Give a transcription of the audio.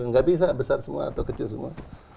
nggak bisa besar semua atau kecil semua